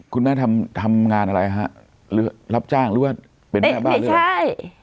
คุณแม่ทำงานอะไรฮะรับจ้างหรือเป็นแม่บ้านหรือไม่ใช่